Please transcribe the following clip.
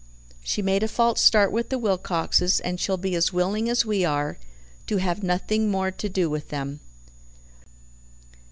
She made a false start with the Wilcoxes, and she'll be as willing as we are to have nothing more to do with them."